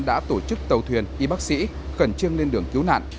đã tổ chức tàu thuyền y bác sĩ khẩn trương lên đường cứu nạn